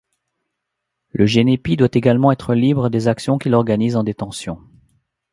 Le Genepi doit également être libre des actions qu'il organise en détention.